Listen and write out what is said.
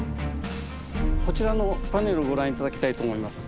こちらのパネルご覧頂きたいと思います。